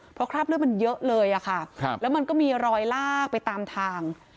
เพราะคราบเลือดมันเยอะเลยอะค่ะแล้วมันก็มีรอยลากไปตามทาง